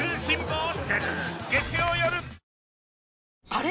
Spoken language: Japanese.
あれ？